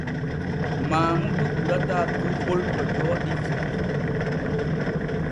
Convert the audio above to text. Maamudu ɓurata duuɓol to jooɗi fu.